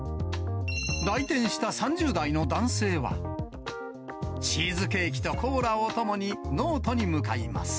来店した３０代の男性は、チーズケーキとコーラをお供にノートに向かいます。